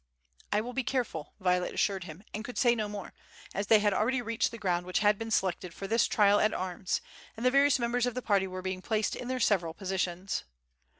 "I will be careful," Violet assured him, and could say no more, as they had already reached the ground which had been selected for this trial at arms, and the various members of the party were being placed in their several positions.